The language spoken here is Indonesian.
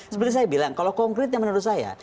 seperti saya bilang kalau konkretnya menurut saya